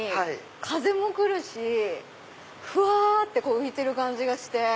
風も来るしふわって浮いてる感じがして。